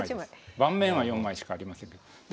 盤面は４枚しかありませんけど。